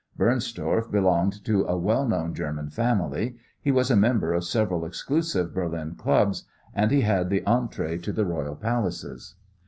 Bernstorff belonged to a well known German family. He was a member of several exclusive Berlin clubs, and he had the entrée to the Royal Palaces.